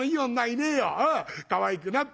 かわいくなった。